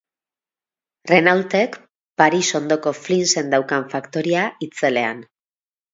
Renaultek Paris ondoko Flinsen daukan faktoria itzelean.